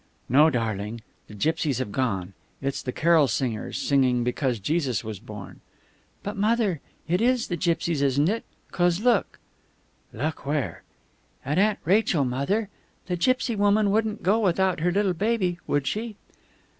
"No, darling. The gipsies have gone. It's the carol singers, singing because Jesus was born." "But, mother ... it is the gipsies, isn't it?... 'Cos look..." "Look where?" "At Aunt Rachel, mother ... The gipsy woman wouldn't go without her little baby, would she?"